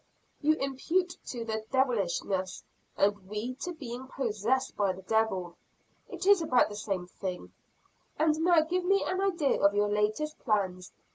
You impute it to 'devilishness' and we to being 'possessed by the devil.' It is about the same thing. And now give me an idea of your latest plans.